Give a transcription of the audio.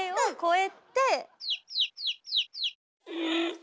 え？